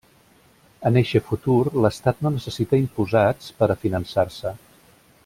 En eixe futur, l'Estat no necessita imposats per a finançar-se.